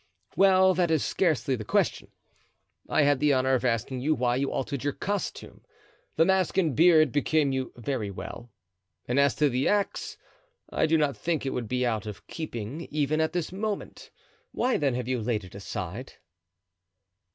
"Well, that is scarcely the question. I had the honor of asking you why you altered your costume. The mask and beard became you very well, and as to the axe, I do not think it would be out of keeping even at this moment. Why, then, have you laid it aside?"